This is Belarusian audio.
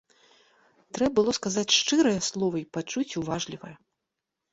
Трэ было сказаць шчырае слова й пачуць уважлівае.